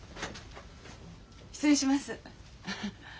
失礼します。